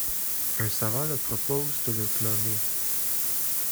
Un savant leur propose de le cloner.